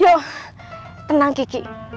yo tenang kiki